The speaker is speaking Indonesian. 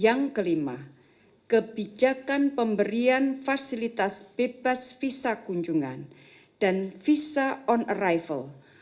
yang kelima kebijakan pemberian fasilitas bebas visa kunjungan dan visa on arrival